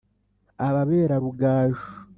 ababera rugaju